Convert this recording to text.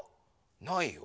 ないよ。